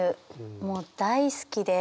もう大好きで。